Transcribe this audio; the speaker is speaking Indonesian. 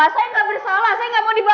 saya gak mau dibawa saya gak mau di penjara